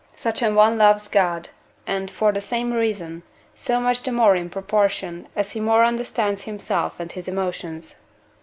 such an one loves God, and (for the same reason) so much the more in proportion as he more understands himself and his emotions.